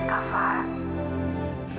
sudah bisa senyum